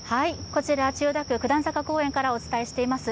こちら千代田区、九段坂公園からお伝えしています。